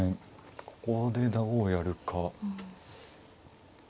ここでどうやるか。